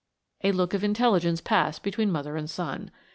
A look of intelligence passed between mother and son.